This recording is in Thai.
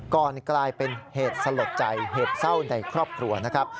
ก่อนกลายเป็นเหตุสลดใจเหตุเศร้าในครอบครัวนะครับ